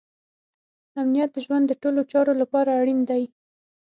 امنیت د ژوند د ټولو چارو لپاره اړین دی.